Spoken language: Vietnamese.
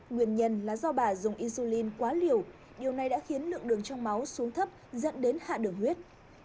nguyên nhân là do bà dùng insulin quá liều điều này đã khiến lượng đường trong máu xuống thấp dẫn đến hạ đường huyết